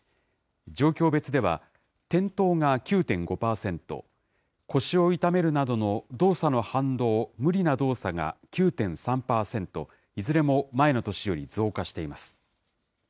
状況別では転倒が９．５％、腰を痛めるなどの動作の反動・無理な動作が９．３％、いずれも前の年より増加しています。